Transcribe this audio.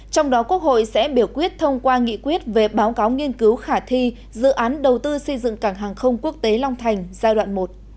trong đó quốc hội sẽ biểu quyết thông qua nghị quyết về báo cáo nghiên cứu khả thi dự án đầu tư xây dựng cảng hàng không quốc tế long thành giai đoạn một